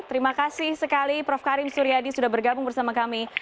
terima kasih sekali prof karim suryadi sudah bergabung bersama kami